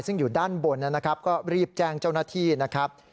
ซึ่งอยู่ด้านบนนะครับก็รีบแจ้งเจ้าหน้าที่นะครับ